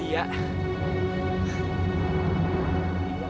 iya emang agak selalu